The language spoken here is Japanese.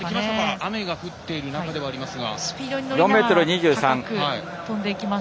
雨が降ってる中ではありますが。